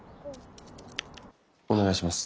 お願いします。